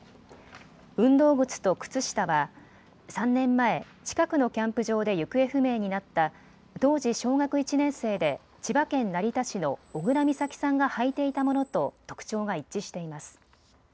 運動靴と靴下は３年前近くのキャンプ場で行方不明になった当時小学１年生で千葉県成田市の小倉美咲さんが履いていたものと特徴が一致しています。